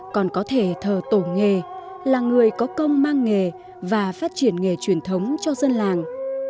còn có thể thờ tổ nghề là người có công mang nghề và phát triển nghề truyền thống cho dân làng